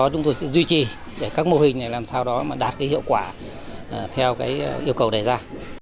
chúng tôi sẽ duy trì để các mô hình này làm sao đó mà đạt cái hiệu quả theo yêu cầu đề ra